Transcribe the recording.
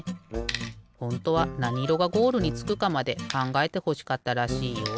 ほんとはなにいろがゴールにつくかまでかんがえてほしかったらしいよ。